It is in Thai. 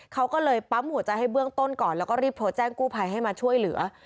เขาก็เลยปั๊มหัวใจให้เบื้องต้นก่อนแล้วก็รีบโทรแจ้งกู้ภัยให้มาช่วยเหลือ